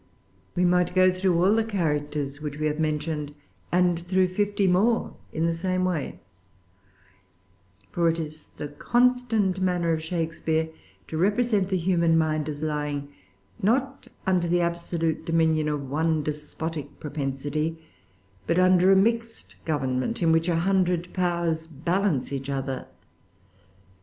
We might go through all the characters which we have mentioned, and through fifty more in the same way; for it is the constant manner of Shakespeare to represent the human mind as lying, not under the absolute dominion of one despotic propensity, but under a mixed government, in which a hundred powers balance each other.